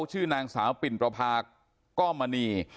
ชื่อนางสาวปิ่นประพาก้อมมณี